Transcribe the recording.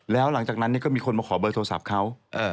แล้วหลังจากนั้นก็มีคนมาขอเบอร์โทรศัพท์เขา